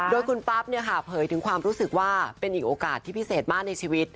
โดยคุณปั๊บเผยถึงความรู้สึกว่าเป็นอีกโอกาสที่พิเศษมากในชีวิต